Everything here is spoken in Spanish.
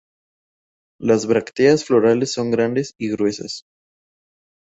Las brácteas florales son grandes y gruesas.